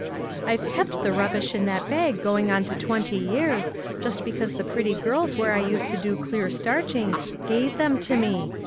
" I've kept the rubbish in that bag go ing on to twenty years, just because the pretty girls where I used to do clear starching, gave them to me.